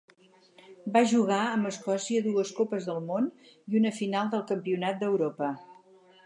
Va jugar amb Escòcia dues Copes del Món i una final del Campionat d'Europa.